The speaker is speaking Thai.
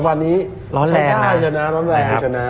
แต่หุ้น๒๒๐๐๐นี้ชนะชนะร้อนแรง